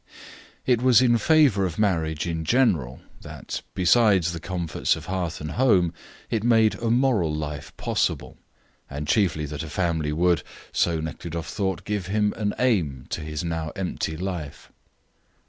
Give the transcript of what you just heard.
It was in favour of marriage in general, that besides the comforts of hearth and home, it made a moral life possible, and chiefly that a family would, so Nekhludoff thought, give an aim to his now empty life.